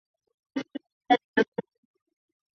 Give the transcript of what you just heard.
熙宁三年复置。